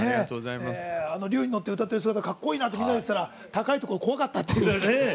竜に乗って歌ってる姿かっこいいなって言ったら高いところ、怖かったって。